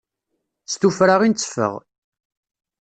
S tufra i nteffeɣ.